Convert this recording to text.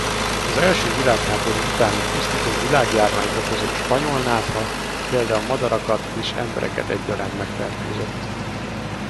Az első világháború utáni pusztító világjárványt okozó spanyolnátha például madarakat és embereket egyaránt megfertőzött.